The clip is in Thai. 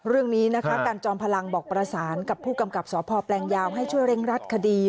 เรื่องนี้นะคะการจอมพลังบอกประสานกับผู้กำกับสพแปลงยาวให้ช่วยเร่งรัดคดี